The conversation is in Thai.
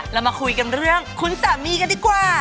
เรามาคุยกันเรื่องคุณสามีกันดีกว่า